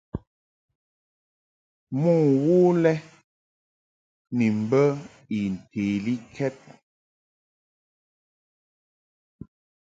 Mo wo lɛ ni mbə I ntelikɛd.